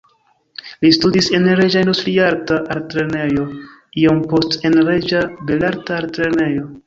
Li studis en Reĝa Industriarta Altlernejo, iom poste en Reĝa Belarta Altlernejo.